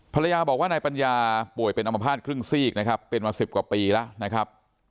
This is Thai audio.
ภรรยาบอกว่านายปัญญาป่วยเป็นอมภาษณครึ่งซีกนะครับเป็นมาสิบกว่าปีแล้วนะครับ